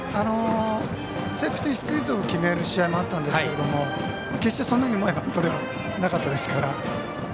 セーフティースクイズを決める試合もあったんですけど決してそんなにうまいバントではなかったですから。